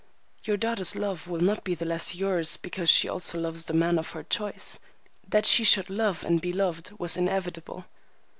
Your daughter's love will not be the less yours because she also loves the man of her choice. That she should love and be loved was inevitable."